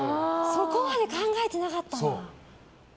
そこまで考えてなかったな。